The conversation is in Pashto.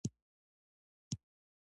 احمدشاه بابا به د خلکو شکایتونه اور يدل.